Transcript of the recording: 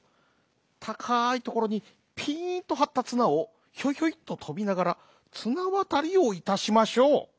たかいところにピンとはったつなをひょいひょいっととびながらつなわたりをいたしましょう」。